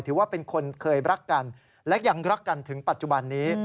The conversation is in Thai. ถือว่าเป็นคนเคยรักกันและยังรักกันถึงปัจจุบันนี้